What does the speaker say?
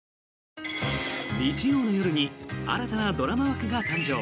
日曜の夜に新たなドラマ枠が誕生！